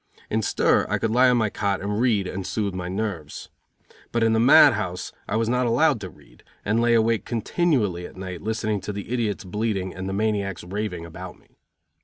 In stir I could lie on my cot and read, and soothe my nerves. But in the mad house I was not allowed to read, and lay awake continually at night listening to the idiots bleating and the maniacs raving about me.